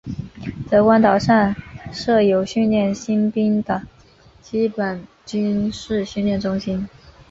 德光岛上设有训练新兵的基本军事训练中心。